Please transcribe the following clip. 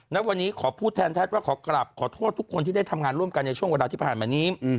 ณวันนี้ขอพูดแทนทัศน์ว่าขอกลับขอโทษทุกคนที่ได้ทำงานร่วมกันในช่วงเวลาที่ผ่านมานี้